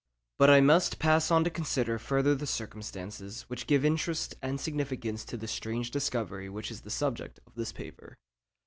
But I must pass on to consider further the circumstances which give interest and significance to the strange discovery which is the subject of this paper.